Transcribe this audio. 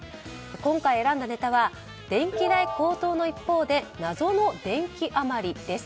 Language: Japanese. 今回、選んだネタは電気代高騰の一方で謎の電気余りです。